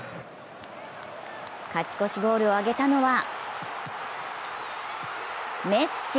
勝ち越しゴールを挙げたのはメッシ。